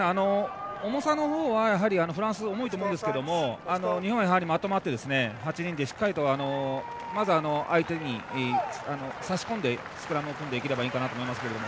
重さのほうはやはりフランス重いと思いますが日本はまとまって８人でしっかりとまず、相手に差し込んでスクラムを組んでいければと思いますけど。